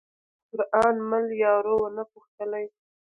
تا قران مل یارو ونه پوښتلئ